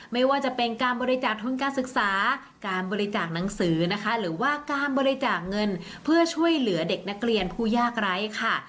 ไม่ว่าจะเป็นการบริจาคทุนการศึกษาการบริจาคหนังสือนะคะหรือว่าการบริจาคเงินเพื่อช่วยเหลือเด็กนักเรียนผู้ยากไร้ค่ะ